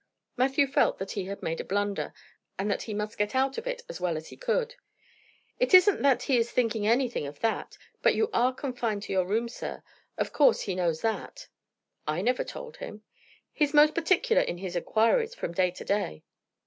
Matthew felt that he had made a blunder, and that he must get out of it as well as he could. "It isn't that he is thinking anything of that, but you are confined to your room, sir. Of course he knows that." "I never told him." "He's most particular in his inquiries from day to day."